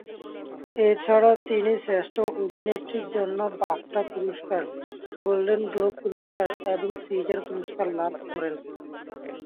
এছাড়া তিনি শ্রেষ্ঠ অভিনেত্রীর জন্য বাফটা পুরস্কার, গোল্ডেন গ্লোব পুরস্কার, এবং সিজার পুরস্কার লাভ করেন।